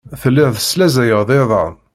Telliḍ teslaẓayeḍ iḍan.